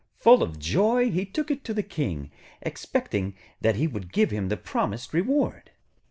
Full of joy, he took it to the King, expecting that he would give him the promised reward.